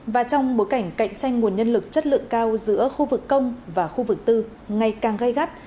và trong bối cảnh cạnh tranh nguồn nhân lực chất lượng cao giữa khu vực công và khu vực tư ngày càng gây gắt